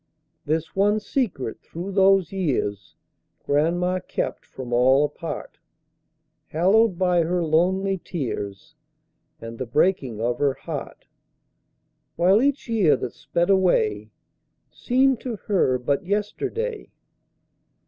This one secret through those years Grandma kept from all apart, Hallowed by her lonely tears And the breaking of her heart; While each year that sped away Seemed to her but yesterday.